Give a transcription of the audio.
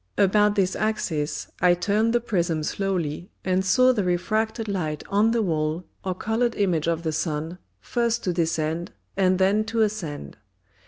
About this Axis I turned the Prism slowly, and saw the refracted Light on the Wall, or coloured Image of the Sun, first to descend, and then to ascend.